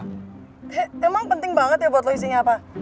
he emang penting banget ya buat lo isinya apa